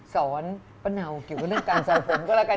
ป้าเนาเกี่ยวกับเรื่องการสั่งผมก็แล้วกัน